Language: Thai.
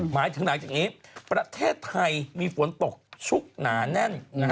หมายถึงหลังจากนี้ประเทศไทยมีฝนตกชุกหนาแน่น